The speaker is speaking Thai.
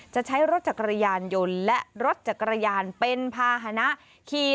จะใช้รถจักรยานยนต์และรถจักรยานเป็นภาษณะขี่